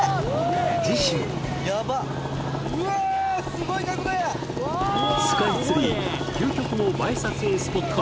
次週スカイツリー究極の映え撮影スポット